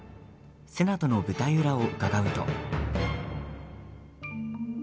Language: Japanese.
瀬名との舞台裏を伺うと。